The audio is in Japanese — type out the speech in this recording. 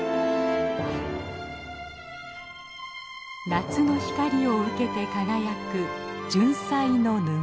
夏の光を受けて輝くジュンサイの沼。